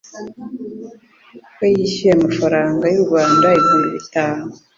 ko yishyuye amafaranga y'u Rwanda ibihumbi bitanu